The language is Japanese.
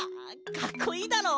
かっこいいだろ？